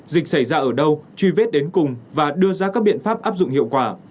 dịch xảy ra ở đâu truy vết đến cùng và đưa ra các biện pháp áp dụng hiệu quả